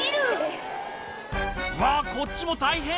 うわー、こっちも大変。